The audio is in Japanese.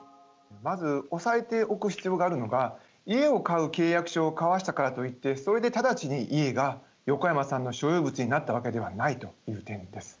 まずおさえておく必要があるのが家を買う契約書を交わしたからといってそれでただちに家が横山さんの所有物になったわけではないという点です。